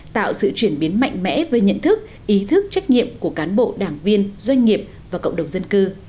tạo sự chuyển biến mạnh mẽ với nhận thức ý thức trách nhiệm của cán bộ đảng viên doanh nghiệp và cộng đồng dân cư